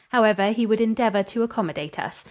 However, he would endeavor to accommodate us.